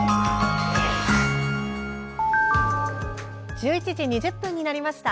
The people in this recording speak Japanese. １１時２０分になりました。